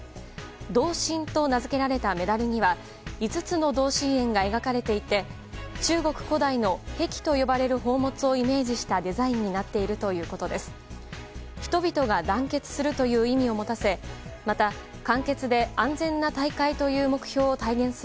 同心と名付けられたメダルには５つの同心円が描かれていて中国古代の壁と呼ばれる宝物をイメージしたデザインになっているということです。